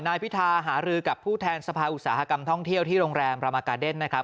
นายพิธาหารือกับผู้แทนสภาอุตสาหกรรมท่องเที่ยวที่โรงแรมรามากาเดนนะครับ